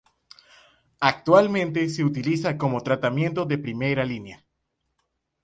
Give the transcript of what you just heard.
Actualmente se utiliza como tratamiento de primera línea.